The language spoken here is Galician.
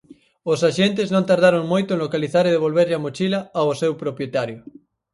Os axentes non tardaron moito en localizar e devolverlle a mochila ao seu propietario.